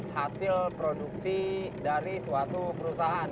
hasil produksi dari suatu perusahaan